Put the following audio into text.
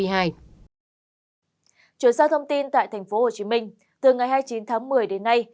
chuyển sang thông tin tại tp hcm từ ngày hai mươi chín tháng một mươi đến nay